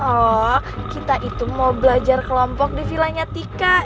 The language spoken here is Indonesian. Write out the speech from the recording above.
oh kita itu mau belajar kelompok di vilanya tika